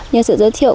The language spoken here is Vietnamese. nhờ sự giới thiệu